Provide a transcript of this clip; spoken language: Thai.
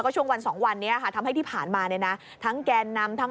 ช่วงวันสองวันเป็นที่ผ่านมา